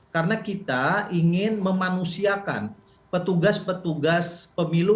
karena kita ingin memanusiakan petugas petugas pemilu